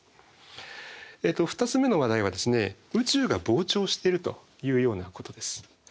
２つ目の話題は宇宙が膨張しているというようなことです。